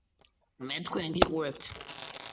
მე თქვენ გიყურებთ